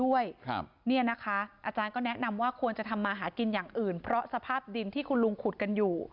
ว่าถ้าขุดไปเสี่ยงอันตรายนะ